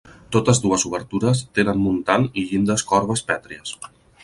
Totes dues obertures tenen muntant i llindes corbes pètries.